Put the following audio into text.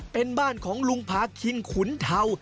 เป็นบ้านของลุงพาคินขุนเทา